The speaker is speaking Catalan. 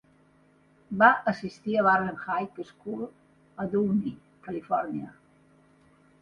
Va assistir a Warren High School a Downey, Califòrnia.